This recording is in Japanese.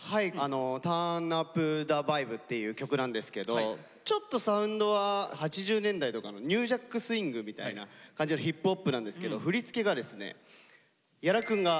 「ＴｕｒｎＵｐＴｈｅＶｉｂｅ」っていう曲なんですけどちょっとサウンドは８０年代とかのニュージャックスイングみたいな感じのヒップホップなんですけど振り付けがですね屋良くんが手がけて下さった曲なので。